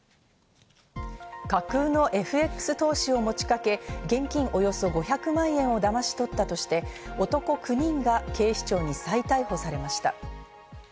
架空のＦＸ投資を持ちかけ、現金およそ５００万円をだまし取ったとして男９人が警視庁に再逮捕されました。